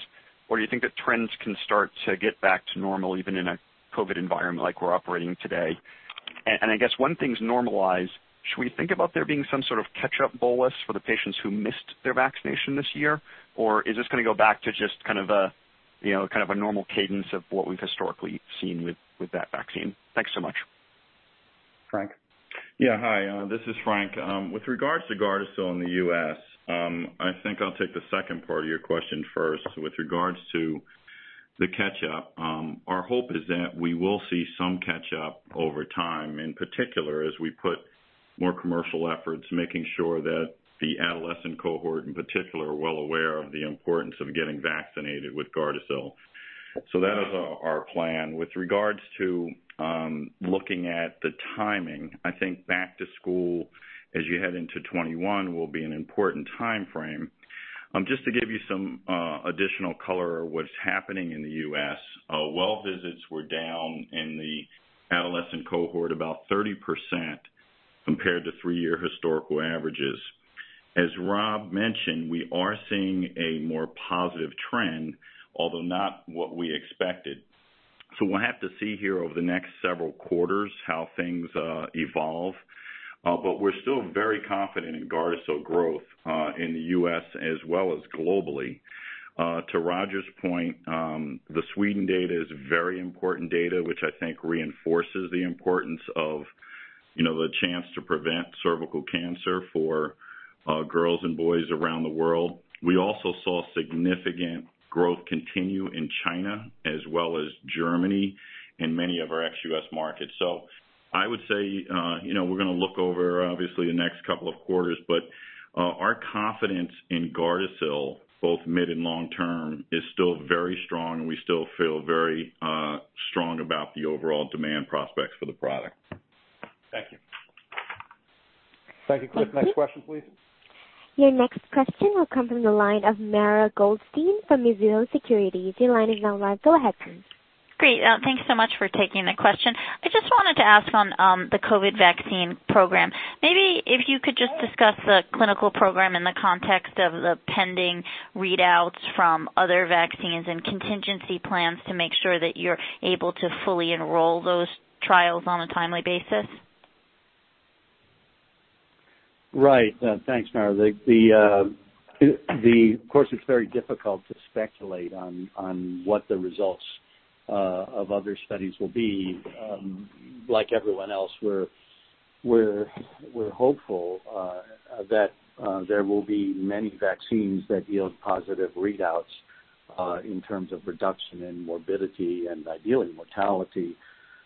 I: or do you think that trends can start to get back to normal even in a COVID-19 environment like we're operating today? I guess once things normalize, should we think about there being some sort of catch-up bolus for the patients who missed their vaccination this year, or is this going to go back to just a normal cadence of what we've historically seen with that vaccine? Thanks so much.
B: Frank?
J: Yeah. Hi, this is Frank. With regards to GARDASIL in the U.S., I think I'll take the second part of your question first. With regards to the catch-up, our hope is that we will see some catch-up over time, in particular, as we put more commercial efforts, making sure that the adolescent cohort, in particular, are well aware of the importance of getting vaccinated with GARDASIL. That is our plan. With regards to looking at the timing, I think back to school as you head into 2021 will be an important timeframe. Just to give you some additional color of what's happening in the U.S., well visits were down in the adolescent cohort about 30% compared to three-year historical averages. As Rob mentioned, we are seeing a more positive trend, although not what we expected. We'll have to see here over the next several quarters how things evolve. We're still very confident in GARDASIL growing in the U.S. as well as globally. To Roger's point, the Sweden data is very important data, which I think reinforces the importance of the chance to prevent cervical cancer for girls and boys around the world. We also saw significant growth continue in China as well as Germany and many of our ex-U.S. markets. I would say, we're going to look over obviously the next couple of quarters, but our confidence in GARDASIL, both mid and long-term, is still very strong. We still feel very strong about the overall demand prospects for the product.
I: Thank you.
B: Thank you, Chris. Next question, please.
A: Your next question will come from the line of Mara Goldstein from Mizuho Securities. Your line is now live. Go ahead, please.
K: Great. Thanks so much for taking the question. I just wanted to ask on the COVID vaccine program. Maybe if you could just discuss the clinical program in the context of the pending readouts from other vaccines and contingency plans to make sure that you're able to fully enroll those trials on a timely basis.
E: Right. Thanks, Mara. Of course, it's very difficult to speculate on what the results of other studies will be. Like everyone else, we're hopeful that there will be many vaccines that yield positive readouts in terms of reduction in morbidity and ideally mortality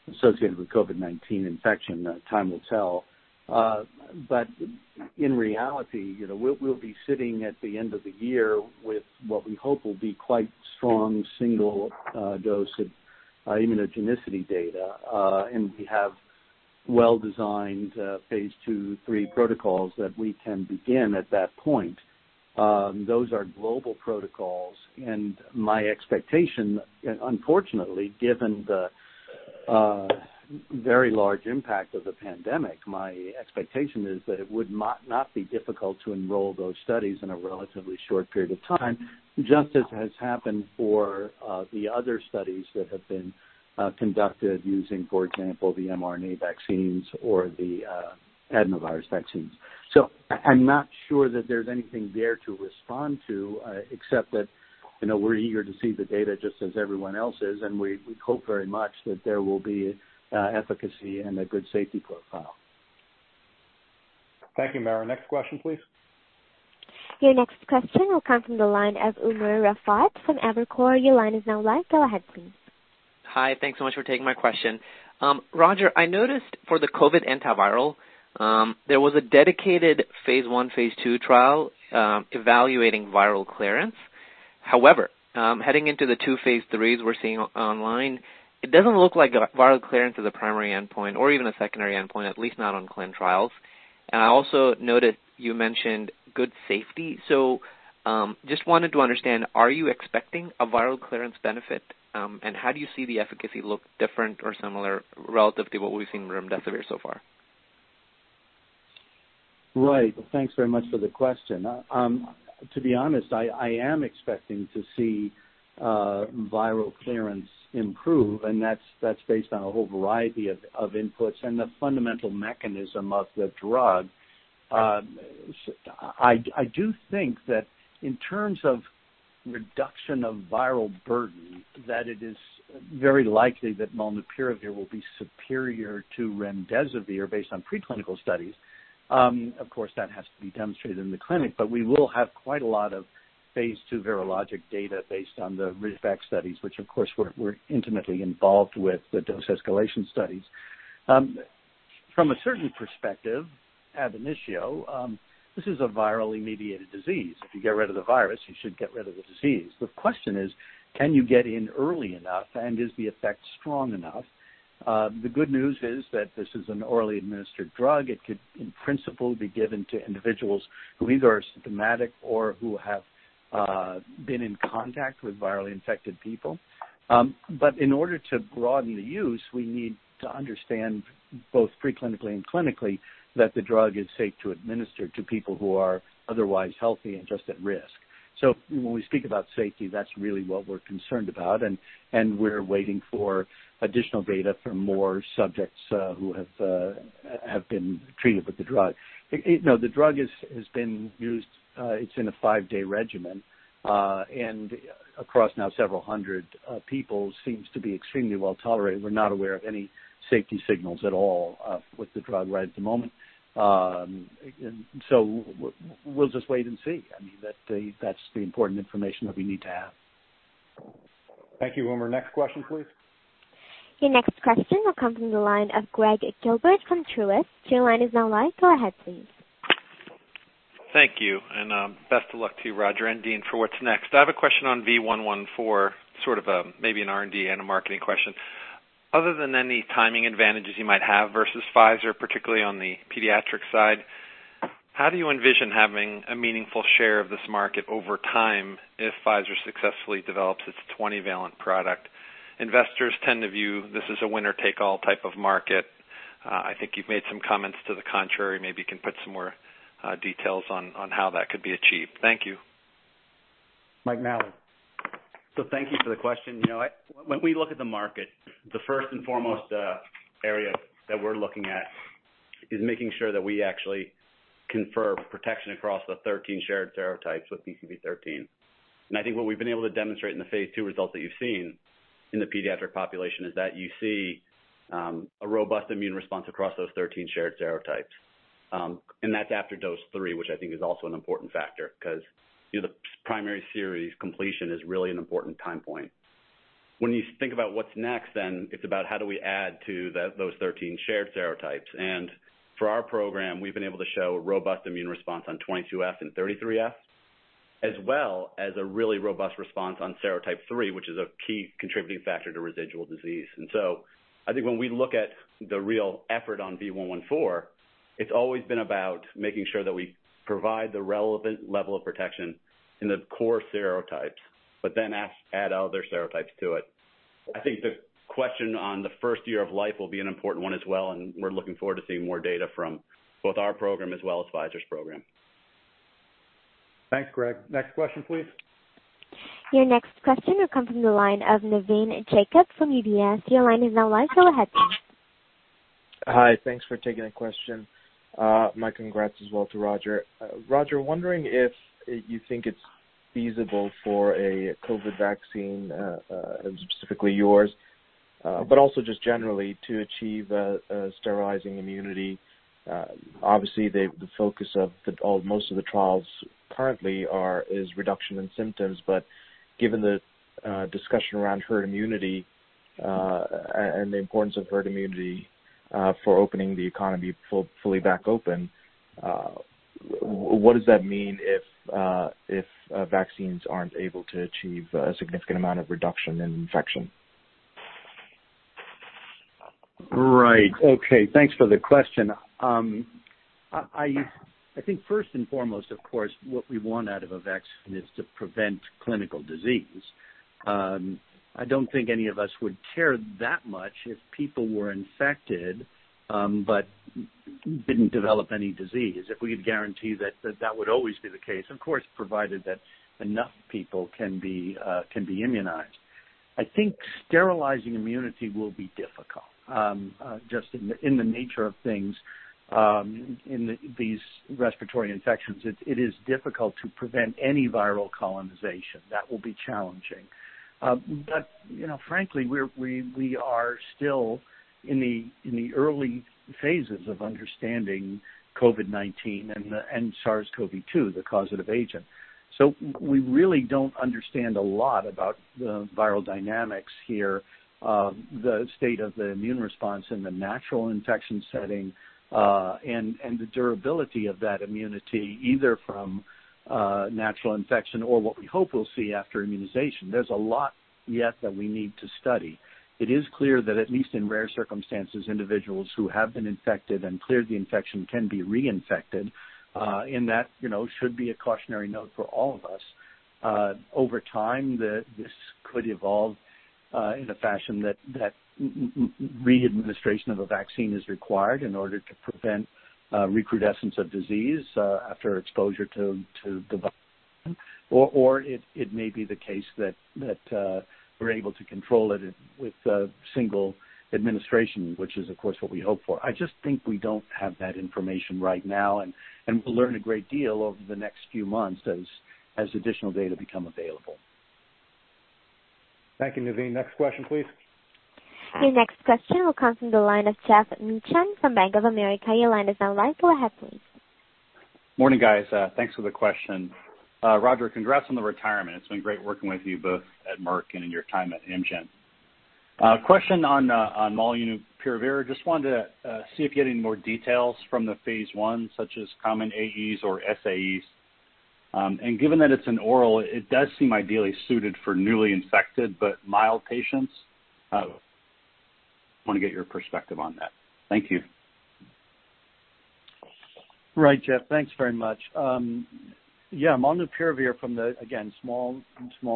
E: associated with COVID-19 infection. Time will tell. In reality, we'll be sitting at the end of the year with what we hope will be quite strong single dose of immunogenicity data. We have well-designed phase II, III protocols that we can begin at that point. Those are global protocols, and my expectation, unfortunately, given the very large impact of the pandemic, my expectation is that it would not be difficult to enroll those studies in a relatively short period of time, just as has happened for the other studies that have been conducted using, for example, the mRNA vaccines or the adenovirus vaccines. I'm not sure that there's anything there to respond to except that we're eager to see the data just as everyone else is, and we hope very much that there will be efficacy and a good safety profile.
B: Thank you, Mara. Next question, please.
A: Your next question will come from the line of Umer Raffat from Evercore. Your line is now live. Go ahead, please.
L: Hi. Thanks so much for taking my question. Roger, I noticed for the COVID antiviral, there was a dedicated phase I, phase II trial evaluating viral clearance. Heading into the two phase III we're seeing online, it doesn't look like viral clearance is a primary endpoint or even a secondary endpoint, at least not on clintrials. I also noted you mentioned good safety. Just wanted to understand, are you expecting a viral clearance benefit? How do you see the efficacy look different or similar relative to what we've seen remdesivir so far?
E: Right. Thanks very much for the question. To be honest, I am expecting to see viral clearance improve. That's based on a whole variety of inputs and the fundamental mechanism of the drug. I do think that in terms of reduction of viral burden, that it is very likely that molnupiravir will be superior to remdesivir based on preclinical studies. Of course, that has to be demonstrated in the clinic. We will have quite a lot of phase II virologic data based on the Ridgeback studies, which of course we're intimately involved with the dose escalation studies. From a certain perspective, ab initio, this is a virally mediated disease. If you get rid of the virus, you should get rid of the disease. The question is, can you get in early enough, and is the effect strong enough? The good news is that this is an orally administered drug. It could, in principle, be given to individuals who either are symptomatic or who have been in contact with virally infected people. In order to broaden the use, we need to understand both preclinically and clinically that the drug is safe to administer to people who are otherwise healthy and just at risk. When we speak about safety, that's really what we're concerned about, and we're waiting for additional data from more subjects who have been treated with the drug. The drug has been used, it's in a five-day regimen. Across now several hundred people seems to be extremely well tolerated. We're not aware of any safety signals at all with the drug right at the moment. We'll just wait and see. I mean, that's the important information that we need to have.
B: Thank you, Umer. Next question, please.
A: Your next question will come from the line of Gregg Gilbert from Truist. Your line is now live. Go ahead, please.
M: Thank you, and best of luck to you, Roger and Dean for what's next. I have a question on V114, sort of maybe an R&D and a marketing question. Other than any timing advantages you might have versus Pfizer, particularly on the pediatric side, how do you envision having a meaningful share of this market over time if Pfizer successfully develops its 20-valent product? Investors tend to view this as a winner-take-all type of market. I think you've made some comments to the contrary. Maybe you can put some more details on how that could be achieved. Thank you.
B: Mike Nally.
N: Thank you for the question. When we look at the market, the first and foremost area that we're looking at is making sure that we actually confer protection across the 13 shared serotypes with PCV13. I think what we've been able to demonstrate in the phase II results that you've seen in the pediatric population is that you see a robust immune response across those 13 shared serotypes. That's after dose 3, which I think is also an important factor because the primary series completion is really an important time point. When you think about what's next, then it's about how do we add to those 13 shared serotypes. For our program, we've been able to show a robust immune response on 22F and 33F, as well as a really robust response on serotype 3, which is a key contributing factor to residual disease. I think when we look at the real effort on V114, it's always been about making sure that we provide the relevant level of protection in the core serotypes, but add other serotypes to it. I think the question on the first year of life will be an important one as well, we're looking forward to seeing more data from both our program as well as Pfizer's program.
B: Thanks, Gregg. Next question, please.
A: Your next question will come from the line of Navin Jacob from UBS. Your line is now live. Go ahead, please.
O: Hi, thanks for taking the question. My congrats as well to Roger. Roger, wondering if you think it is feasible for a COVID vaccine, specifically yours, but also just generally to achieve a sterilizing immunity. Obviously, the focus of most of the trials currently is reduction in symptoms, but given the discussion around herd immunity, and the importance of herd immunity for opening the economy fully back open, what does that mean if vaccines aren't able to achieve a significant amount of reduction in infection?
E: Right. Okay. Thanks for the question. I think first and foremost, of course, what we want out of a vaccine is to prevent clinical disease. I don't think any of us would care that much if people were infected but didn't develop any disease, if we could guarantee that that would always be the case, of course, provided that enough people can be immunized. I think sterilizing immunity will be difficult. Just in the nature of things, in these respiratory infections, it is difficult to prevent any viral colonization. That will be challenging. Frankly, we are still in the early phases of understanding COVID-19 and SARS-CoV-2, the causative agent. We really don't understand a lot about the viral dynamics here, the state of the immune response in the natural infection setting, and the durability of that immunity, either from natural infection or what we hope we'll see after immunization. There's a lot yet that we need to study. It is clear that at least in rare circumstances, individuals who have been infected and cleared the infection can be reinfected, and that should be a cautionary note for all of us. Over time, this could evolve in a fashion that re-administration of a vaccine is required in order to prevent recrudescence of disease after exposure to the virus. It may be the case that we're able to control it with a single administration, which is, of course, what we hope for. I just think we don't have that information right now, and we'll learn a great deal over the next few months as additional data become available.
B: Thank you, Navin. Next question, please.
A: Your next question will come from the line of Geoff Meacham from Bank of America. Your line is now live. Go ahead, please.
P: Morning, guys. Thanks for the question. Roger, congrats on the retirement. It's been great working with you both at Merck and in your time at Amgen. A question on molnupiravir. Just wanted to see if you had any more details from the phase I, such as common AEs or SAEs. Given that it's an oral, it does seem ideally suited for newly infected but mild patients. I want to get your perspective on that. Thank you.
E: Right, Geoff. Thanks very much. molnupiravir from the, again, small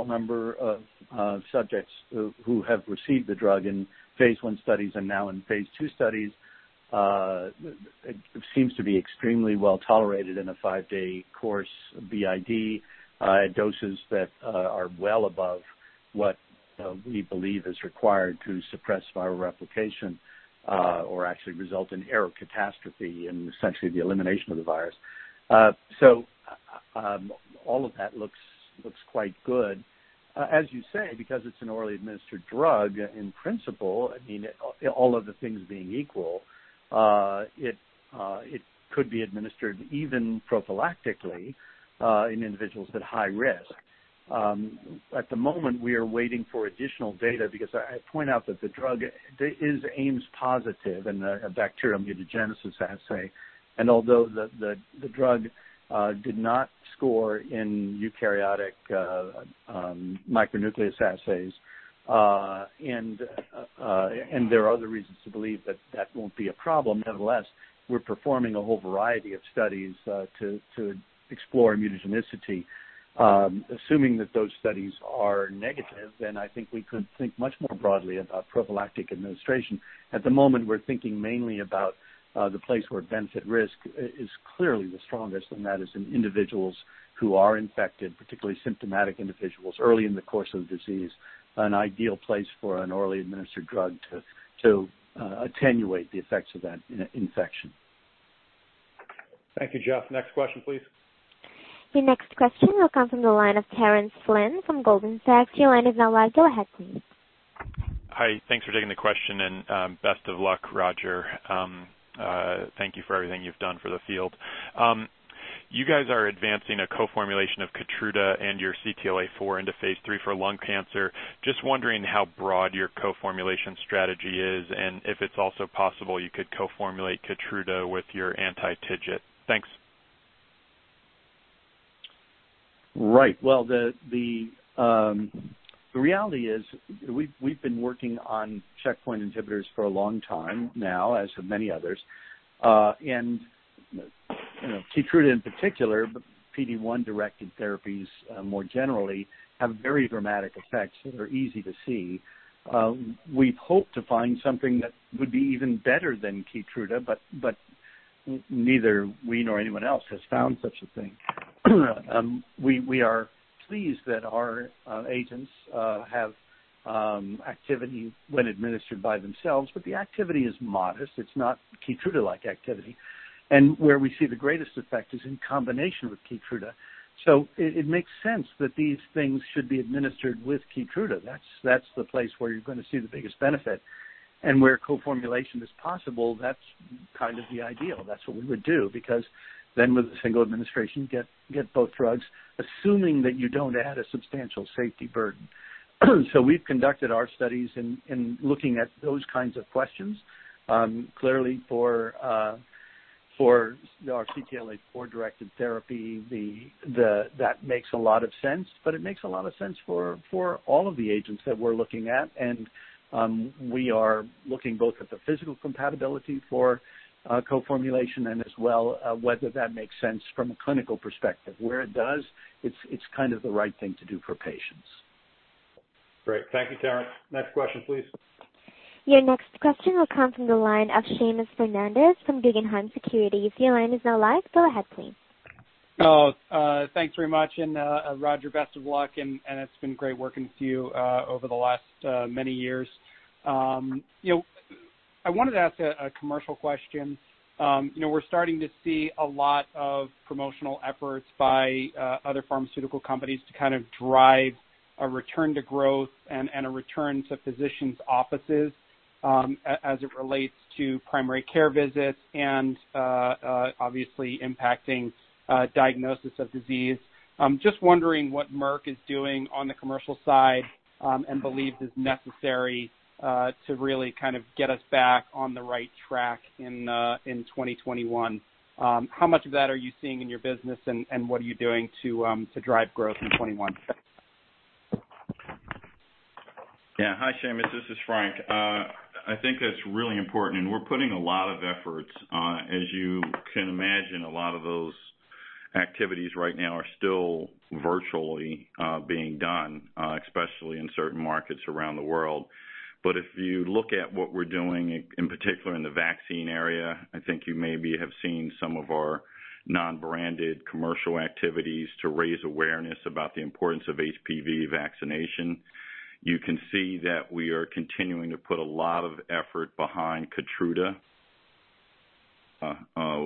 E: number of subjects who have received the drug in phase I studies and now in phase II studies. It seems to be extremely well-tolerated in a five-day course BID at doses that are well above what we believe is required to suppress viral replication or actually result in error catastrophe and essentially the elimination of the virus. All of that looks quite good. As you say, because it's an orally administered drug, in principle, all other things being equal, it could be administered even prophylactically in individuals at high risk. At the moment, we are waiting for additional data because I point out that the drug is Ames positive in a bacterial mutagenesis assay. Although the drug did not score in eukaryotic micronucleus assays, and there are other reasons to believe that that won't be a problem, nevertheless, we're performing a whole variety of studies to explore mutagenicity. Assuming that those studies are negative, I think we could think much more broadly about prophylactic administration. At the moment, we're thinking mainly about the place where benefit risk is clearly the strongest, and that is in individuals who are infected, particularly symptomatic individuals early in the course of the disease, an ideal place for an orally administered drug to attenuate the effects of that infection.
B: Thank you, Geoff. Next question, please.
A: Your next question will come from the line of Terence Flynn from Goldman Sachs. Your line is now live. Go ahead, please.
Q: Hi. Thanks for taking the question, and best of luck, Roger. Thank you for everything you've done for the field. You guys are advancing a co-formulation of KEYTRUDA and your CTLA-4 into phase III for lung cancer. Just wondering how broad your co-formulation strategy is and if it's also possible you could co-formulate KEYTRUDA with your anti-TIGIT. Thanks.
E: Right. Well, the reality is we've been working on checkpoint inhibitors for a long time now, as have many others. KEYTRUDA in particular, but PD-1-directed therapies more generally, have very dramatic effects that are easy to see. We've hoped to find something that would be even better than KEYTRUDA, but neither we nor anyone else has found such a thing. We are pleased that our agents have activity when administered by themselves, but the activity is modest. It's not KEYTRUDA-like activity, and where we see the greatest effect is in combination with KEYTRUDA. It makes sense that these things should be administered with KEYTRUDA. That's the place where you're going to see the biggest benefit. Where co-formulation is possible, that's kind of the ideal. That's what we would do, because then with a single administration, get both drugs, assuming that you don't add a substantial safety burden. We've conducted our studies in looking at those kinds of questions. Clearly for our CTLA-4-directed therapy, that makes a lot of sense, but it makes a lot of sense for all of the agents that we're looking at, and we are looking both at the physical compatibility for co-formulation and as well whether that makes sense from a clinical perspective. Where it does, it's kind of the right thing to do for patients.
B: Great. Thank you, Terence. Next question, please.
A: Your next question will come from the line of Seamus Fernandez from Guggenheim Securities. Your line is now live. Go ahead, please.
R: Thanks very much. Roger, best of luck, and it's been great working with you over the last many years. I wanted to ask a commercial question. We're starting to see a lot of promotional efforts by other pharmaceutical companies to kind of drive a return to growth and a return to physicians' offices, as it relates to primary care visits and obviously impacting diagnosis of disease. Just wondering what Merck is doing on the commercial side and believes is necessary to really kind of get us back on the right track in 2021. How much of that are you seeing in your business, and what are you doing to drive growth in 2021?
J: Yeah. Hi, Seamus. This is Frank. I think that's really important. We're putting a lot of efforts. As you can imagine, a lot of those activities right now are still virtually being done, especially in certain markets around the world. If you look at what we're doing, in particular in the vaccine area, I think you maybe have seen some of our non-branded commercial activities to raise awareness about the importance of HPV vaccination. You can see that we are continuing to put a lot of effort behind KEYTRUDA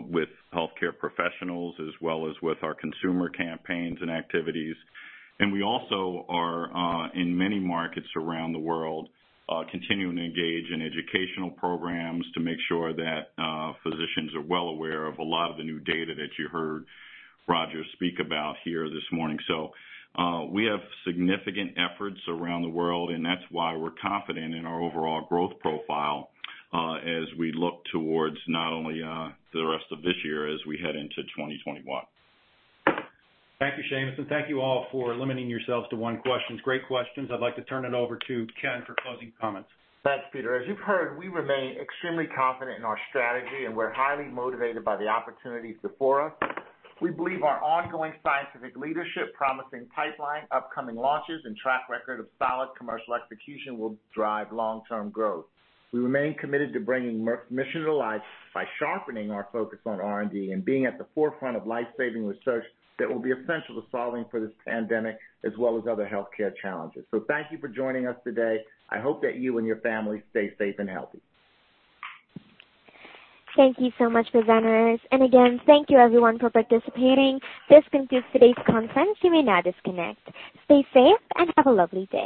J: with healthcare professionals as well as with our consumer campaigns and activities. We also are, in many markets around the world, continuing to engage in educational programs to make sure that physicians are well aware of a lot of the new data that you heard Roger speak about here this morning. We have significant efforts around the world, and that's why we're confident in our overall growth profile as we look towards not only the rest of this year, as we head into 2021.
B: Thank you, Seamus, thank you all for limiting yourselves to one question. Great questions. I'd like to turn it over to Ken for closing comments.
C: Thanks, Peter. As you've heard, we remain extremely confident in our strategy, and we're highly motivated by the opportunities before us. We believe our ongoing scientific leadership, promising pipeline, upcoming launches, and track record of solid commercial execution will drive long-term growth. We remain committed to bringing Merck's mission to life by sharpening our focus on R&D and being at the forefront of life-saving research that will be essential to solving for this pandemic as well as other healthcare challenges. Thank you for joining us today. I hope that you and your family stay safe and healthy.
A: Thank you so much, presenters. Again, thank you everyone for participating. This concludes today's conference. You may now disconnect. Stay safe, and have a lovely day.